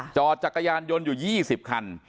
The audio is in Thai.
จอดจักรยานยนต์อยู่๒๐คัน